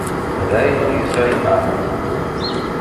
d ayen ur yesεi lmeεna.